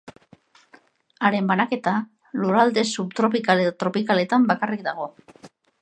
Haren banaketa lurralde subtropikal eta tropikaletan bakarrik dago.